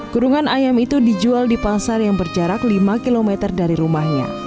kurungan ayam itu dijual di pasar yang berjarak lima km dari rumahnya